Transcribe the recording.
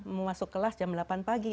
memasuk kelas jam delapan pagi